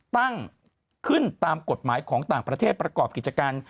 ตั้งขึ้นตามกฎหมายของต่างประเทศประกอบกิจการ